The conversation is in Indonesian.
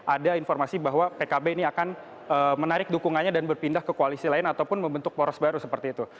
ada informasi bahwa pkb ini akan menarik dukungannya dan berpindah ke koalisi lain ataupun membentuk poros baru seperti itu